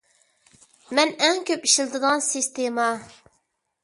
مەن ئەڭ كۆپ ئىشلىتىدىغان سىستېما.